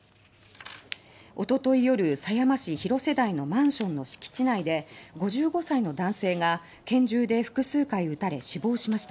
おととい夜、狭山市広瀬台のマンションの敷地内で５５歳の男性が拳銃で複数回撃たれ死亡しました。